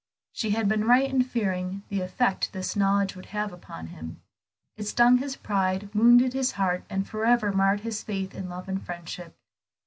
She had been right in fearing the effect this knowledge would have upon him. It stung his pride, wounded his heart, and forever marred his faith in love and friendship.